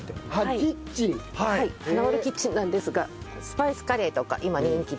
キッチン。はなまるキッチンなんですがスパイスカレーとか今人気で。